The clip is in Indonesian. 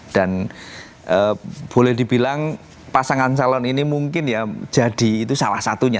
dan boleh dibilang pasangan salon ini mungkin ya jadi itu salah satunya